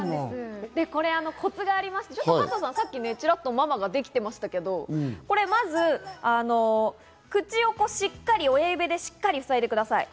これコツがありまして、加藤さん、さっきチラッとママができてましたけど、これまず口をしっかり親指でふさいでください。